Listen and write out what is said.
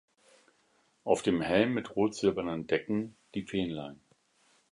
Auf dem Helm mit rot-silbernen Decken die Fähnlein.